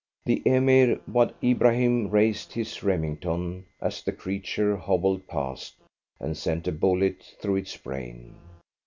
The Emir Wad Ibrahim raised his Remington, as the creature hobbled past, and sent a bullet through its brain.